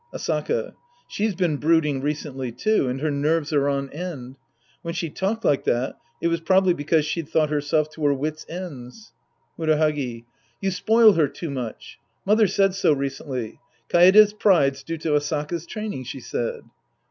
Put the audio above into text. Asaka. She's been brooding recently, too, and her nerves are on end. When she talked like that, it was probably because she'd thought herself to her wits' ends. Murahagi. You spoil her too much. Mother said so recently. " Kaede's pride's due to Asaka's training," she said.